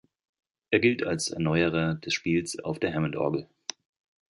Er gilt als Erneuerer des Spiels auf der Hammondorgel.